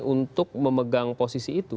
untuk memegang posisi itu